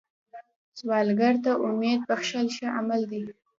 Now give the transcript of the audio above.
سوالګر ته امید بښل ښه عمل دی